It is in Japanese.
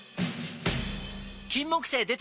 金木犀でた！